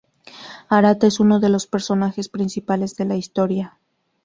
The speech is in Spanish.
Arata es uno de los personajes principales de la historia.